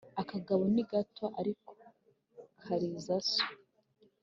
Aka kagabo ni gato, ariko kariza so.